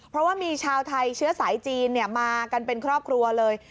เพราะว่ามีชาวไทยเชื้อสายจีนมากันเป็นครอบครัวเลย